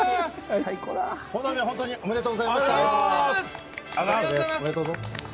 このたびは本当におめでとうございました。